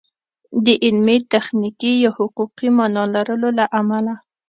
د علمي، تخنیکي یا حقوقي مانا لرلو له امله